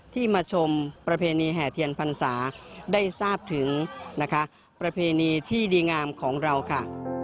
ที่มาชมประเพณีแห่เทียนพรรษาได้ทราบถึงนะคะประเพณีที่ดีงามของเราค่ะ